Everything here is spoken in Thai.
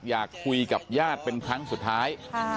อยากคุยกับญาติเป็นครั้งสุดท้าย